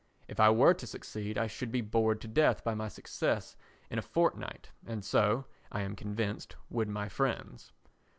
If I were to succeed I should be bored to death by my success in a fortnight and so, I am convinced, would my friends.